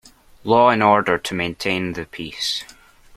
Law and order to maintain the peace.